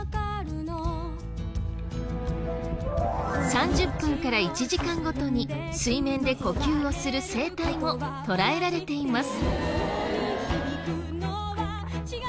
３０分から１時間ごとに水面で呼吸をする生態も捉えられています。